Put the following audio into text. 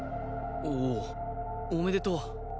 おうおめでとう。